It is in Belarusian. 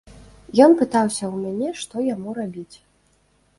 Ён пытаўся ў мяне, што яму рабіць.